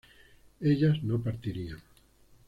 ellas no partirían